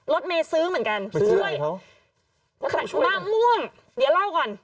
รถเมย์ซื้อเหมือนกันเหรอสู้ให้เขามะม่วงเดี๋ยวเล่าก่อน